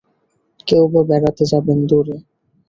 কেউবা বেড়াতে যাবেন দূরে।